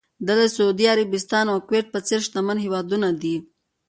دلته د سعودي عربستان او کوېټ په څېر شتمن هېوادونه دي.